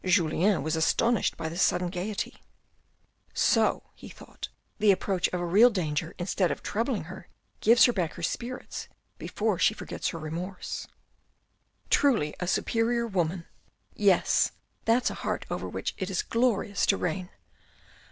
Julien was astonished by this sudden gaiety — "So" he thought, " the approach of a real danger instead of troubling her gives her back her spirits before she forgets her remorse. 230 THE RED AND THE BLACK Truly a superior woman. Yes, that's a heart over which it is glorious to reign."